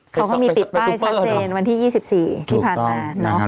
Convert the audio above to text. เขาก็มีติดป้ายชัดเจนวันที่๒๔ที่ผ่านมา